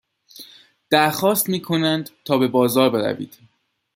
در خواست میکنند تا به بازار بروید.